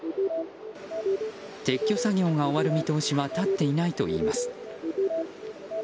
撤去作業が終わる見通しは立っていないといいます。